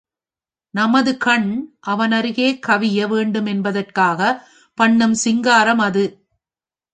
நமது கண் அவனருகே கவிய வேண்டுமென்பதற்காகப் பண்ணும் சிங்காரம் அது.